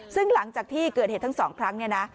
ซึ่งหลังจากที่เกิดเหตุทั้งสองครั้งเนี่ยนะ